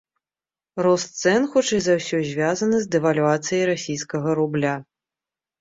Рост цэн хутчэй за ўсё звязаны з дэвальвацыяй расійскага рубля.